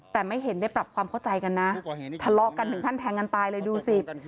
แต่ไม่เห็นได้ปรับความเข้าใจกันนะทะเลาะกันถึงขั้นแทงกันตายเลยดูสิ